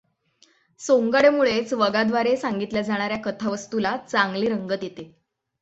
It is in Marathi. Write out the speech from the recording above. सोंगाड्यामुळेच वगाद्वारे सांगितल्या जाणार् या कथावस्तूला चांगली रंगत येते.